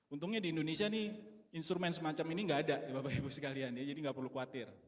untungnya di indonesia ini instrument semacam ini enggak ada bapak ibu sekalian jadi enggak perlu khawatir